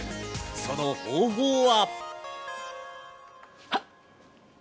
その方法は。